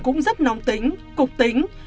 cũng rất nóng tính cục tính